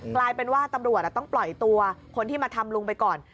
กลายเป็นว่าตำรวจต้องปล่อยตัวคนที่มาทำลุงไปก่อน